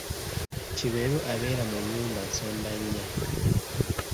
Kiberu abeera mu nnyumba nsondannya.